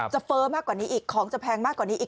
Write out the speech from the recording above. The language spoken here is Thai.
เฟ้อมากกว่านี้อีกของจะแพงมากกว่านี้อีก